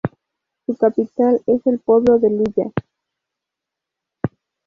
Su capital es el pueblo de Luya.